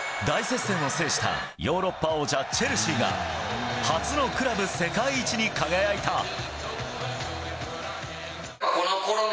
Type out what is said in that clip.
大接戦を制したヨーロッパ王者チェルシーが初のクラブ世界一に輝いた。